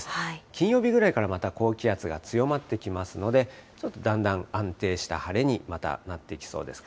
金曜日ぐらいからまた高気圧が強まってきますので、だんだん安定した晴れにまたなっていきそうです。